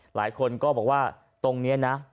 หลายคนก็บอกว่าตรงนี้นะ